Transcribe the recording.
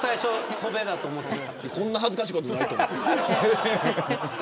こんなに恥ずかしいことない。